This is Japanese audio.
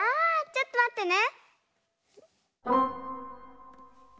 ちょっとまってね。